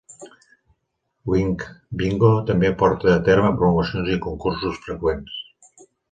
Wink Bingo també porta a terme promocions i concursos freqüents.